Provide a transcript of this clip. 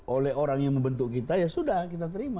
oleh orang yang membentuk kita ya sudah kita terima